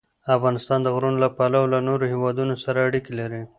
افغانستان د غرونه له پلوه له نورو هېوادونو سره اړیکې لري.